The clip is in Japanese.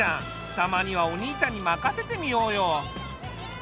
たまにはお兄ちゃんに任せてみようよ。